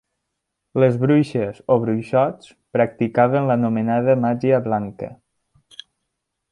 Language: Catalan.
Les bruixes o bruixots practicaven l'anomenada màgia blanca.